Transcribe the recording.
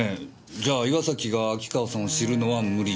じゃあ岩崎が秋川さんを知るのは無理ですね。